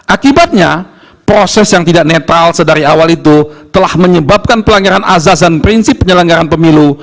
akibatnya proses yang tidak netral sedari awal itu telah menyebabkan pelanggaran azaz dan prinsip penyelenggaran pemilu